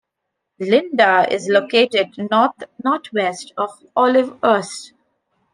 Linda is located north-northwest of Olivehurst.